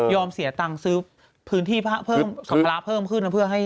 เสียตังค์ซื้อพื้นที่พระเพิ่มสัมภาระเพิ่มขึ้นนะเพื่อให้